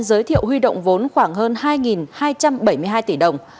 giới thiệu huy động vốn khoảng hơn hai hai trăm bảy mươi hai tỷ đồng